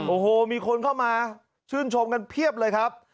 โอ้โหมีคนเข้ามาชื่นชมกันเพียบเลยครับ